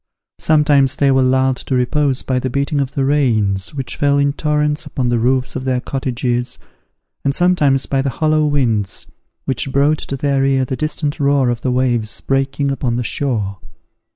Sometimes they were lulled to repose by the beating of the rains, which fell in torrents upon the roofs of their cottages, and sometimes by the hollow winds, which brought to their ear the distant roar of the waves breaking upon the shore.